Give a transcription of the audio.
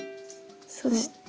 そして。